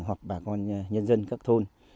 hoặc bà con nhân dân các thôn